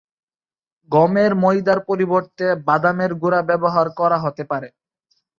গমের ময়দার পরিবর্তে বাদামের গুঁড়া ব্যবহার করা হতে পারে।